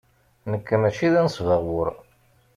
Nekk maci d anesbaɣur.